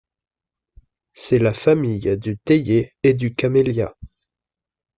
C'est la famille du théier et du camélia.